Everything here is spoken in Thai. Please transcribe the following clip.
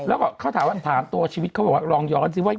แล้วก็เขาถามว่าถามตัวชีวิตเขาบอกว่าลองย้อนสิว่า